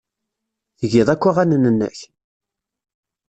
Tgiḍ akk aɣanen-nnek?